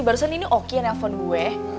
barusan ini oki yang nelfon gue